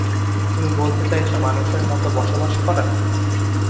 তুমি বলতে চাইছ মানুষের মতো বসবাস করা?